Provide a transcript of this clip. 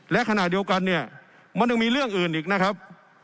และขณะเดียวกันเนี่ยมันยังมีเรื่องอื่นอีกนะครับ